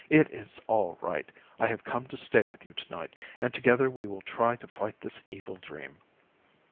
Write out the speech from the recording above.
it is all right. I have come to stay with you tonight, and together we will try to fight this evil dream."